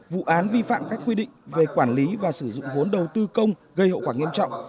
vụ án vi phạm các quy định về quản lý và sử dụng vốn đầu tư công gây hậu quả nghiêm trọng